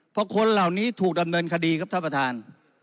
เพราะคนเหล่านี้ถูกดำเนินคดีครับท่านประธาน